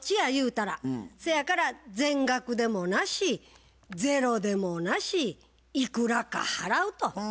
そやから全額でもなしゼロでもなしいくらか払うと。